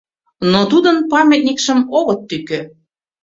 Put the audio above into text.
Но тудын памятникшым огыт тӱкӧ.